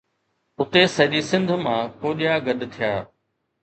اتي سڄي سنڌ مان ڪوڏيا گڏ ٿيا.